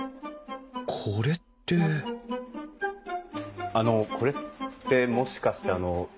これってあのこれってもしかして牛の。